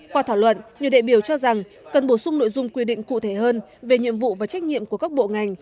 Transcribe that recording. qua thảo luận nhiều đại biểu cho rằng cần bổ sung nội dung quy định cụ thể hơn về nhiệm vụ và trách nhiệm của các bộ ngành